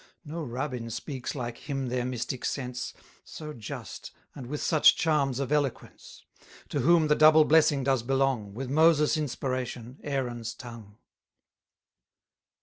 1020 No rabbin speaks like him their mystic sense, So just, and with such charms of eloquence: To whom the double blessing does belong, With Moses' inspiration, Aaron's tongue.